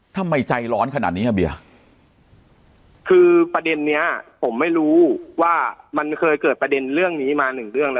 ทำไมใจร้อนขนาดนี้อ่ะเบียคือประเด็นเนี้ยผมไม่รู้ว่ามันเคยเกิดประเด็นเรื่องนี้มาหนึ่งเรื่องแล้ว